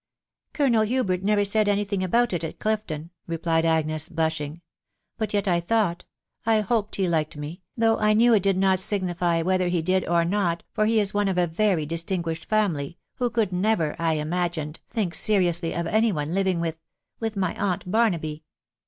" Colonel Hubert never said any thing about it at Clifton," replied Agnes, blushing; "mil yet I thought — I hoped he liked me, though I knew it did not signify whether he did or not, for he is one of a very distinguished family .... who could never, I imagined, think seriously of any one living with .... with my aunt Barnaby.